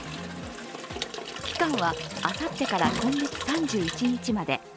期間はあさってから今月３１日まで。